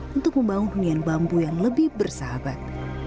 dan juga untuk membangun hunian bambu yang lebih bersahabat